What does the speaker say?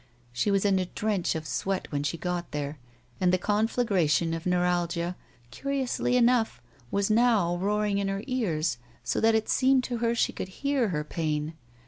She was in a drench of sweat 34 SHE WALKS IN BEAUTY when she got there and the conflagration of neu ralgia, curiously enough, was now roaring in her ears so that it seemed to her she could hear her pain.